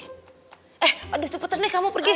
eh aduh cepetan deh kamu pergi